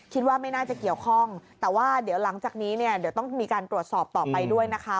คิดว่าไม่น่าจะเกี่ยวข้องแต่ว่าหลังจากนี้ต้องมีการตรวจสอบต่อไปด้วยนะคะ